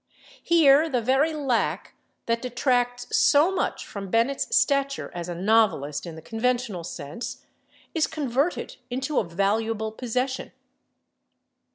Here the very lack that detracts so much from Bennett's stature as a novelist in the conventional sense is converted into a valuable possession.